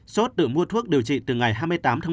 sốt tự mua thuốc điều trị từ ngày hai mươi tám tháng một